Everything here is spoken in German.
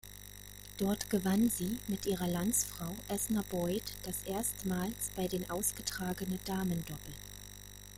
Dort gewann sie mit ihrer Landsfrau Esna Boyd das erstmals bei den ausgetragene Damendoppel.